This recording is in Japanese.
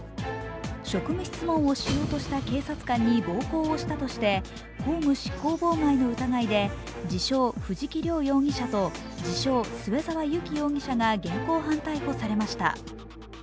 職務質問をしようとした警察官に暴行をしたとして、公務執行妨害の疑いで自称・藤木涼容疑者と自称・末澤有希容疑者が現行犯逮捕されました。